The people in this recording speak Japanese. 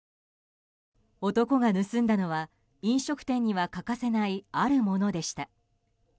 男が盗んだのは飲食店には欠かせないあるものでした。